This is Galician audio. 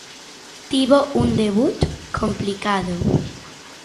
Tivo un debut complicado.